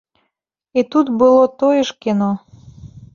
І тут было тое ж кіно.